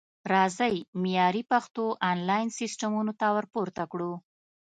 راځئ معیاري پښتو انلاین سیستمونو ته ورپوره کړو